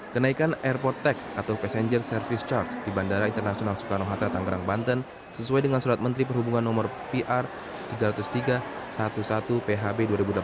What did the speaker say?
kenaikan airport tax atau passenger service charge di bandara internasional soekarno hatta tanggerang banten sesuai dengan surat menteri perhubungan nomor pr tiga ratus tiga belas phb dua ribu delapan belas